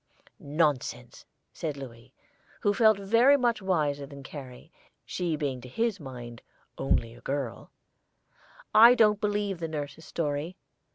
"Nonsense!" said Louis, who felt very much wiser than Carrie, she being to his mind "only a girl;" "I don't believe nurse's story.